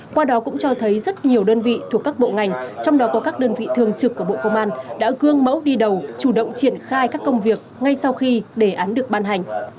qua đó cũng cho thấy rất nhiều đơn vị thuộc các bộ ngành trong đó có các đơn vị thường trực của bộ công an đã gương mẫu đi đầu chủ động triển khai các công việc ngay sau khi đề án được ban hành